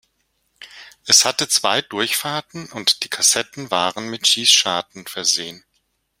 Es hatte zwei Durchfahrten und die Kassetten waren mit Schießscharten versehen.